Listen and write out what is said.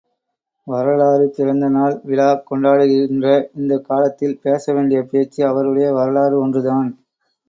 வரலாறு பிறந்த நாள் விழாக் கொண்டாடுகின்ற இந்தக் காலத்தில், பேசவேண்டிய பேச்சு அவருடைய வரலாறு ஒன்றுதான்.